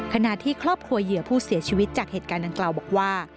ขณะที่ครอบครัวเหยื่อผู้เสียชีวิตจากเหตุการณ์ดังกล่าวบอกว่า